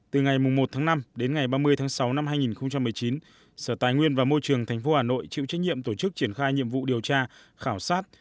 từ ngày một tháng năm đến ngày ba mươi tháng sáu năm hai nghìn một mươi chín sở tài nguyên và môi trường tp hà nội chịu trách nhiệm tổ chức triển khai nhiệm vụ điều tra khảo sát